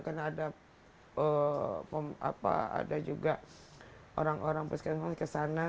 karena ada juga orang orang peskipan ke sana